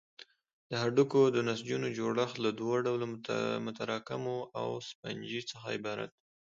د هډوکو د نسجونو جوړښت له دوه ډوله متراکمو او سفنجي څخه عبارت دی.